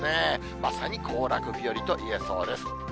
まさに行楽日和といえそうです。